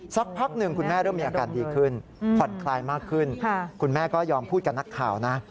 สักพักหนึ่งคุณแม่เริ่มมีอาการดีขึ้นผ่อนคลายมากขึ้นคุณแม่ก็ยอมพูดกับนักข่าวนะ